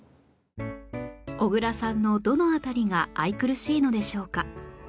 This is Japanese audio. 小倉さんのどの辺りが愛くるしいのでしょうか？